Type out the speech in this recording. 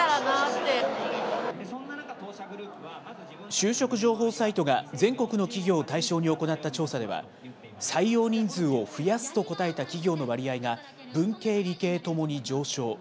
就職情報サイトが全国の企業を対象に行った調査では、採用人数を増やすと答えた企業の割合が、文系、理系ともに上昇。